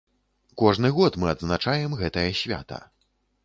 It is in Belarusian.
Кожны год мы адзначаем гэтае свята.